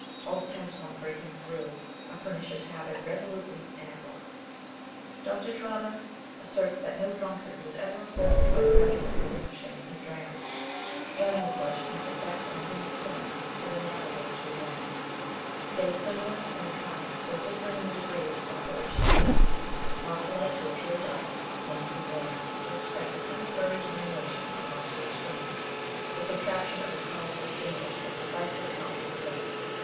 All depends upon the breaking through a pernicious habit resolutely and at once. Dr. Trotter* asserts that no drunkard was ever reformed by gradually relinquishing his dram. Animal flesh, in its efiPects on the human stomach, is analogous to a dram. It is similar in * See Trotter on ''The Nervous Temperament" Digitized by Google 24 A Vindication of Natural Diet, the kind, though diflfermg in the degree, of its operation. The proselyte to a pure diet must be warned to expect a temporary diminution of muscular strength. The subtrac tion of a powe^l stimulus will suffice to account for this event.